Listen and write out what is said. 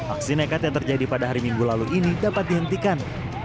aksi nekat yang terjadi pada hari minggu lalu ini dapat dihentikan